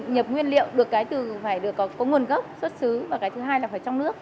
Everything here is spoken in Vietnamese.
nhập nguyên liệu được cái từ phải có nguồn gốc xuất xứ và cái thứ hai là phải trong nước